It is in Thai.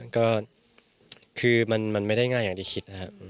ก็คือมันไม่ได้ง่ายอย่างที่คิดนะครับ